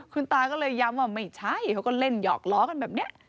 คุณตาก็เลยย้ำว่าไม่ใช่เขาก็เล่นหยอกล้อกันแบบนี้